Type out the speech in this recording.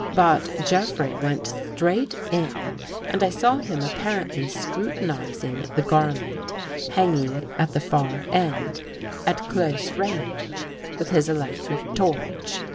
But Jeffrey went straight in and I saw him apparently scrutinizing the garment hanging at the far end, at close range with his electric torch.